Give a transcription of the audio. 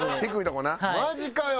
マジかよ！